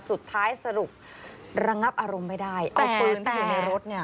สรุประงับอารมณ์ไม่ได้เอาปืนที่อยู่ในรถเนี่ย